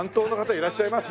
いらっしゃいませ。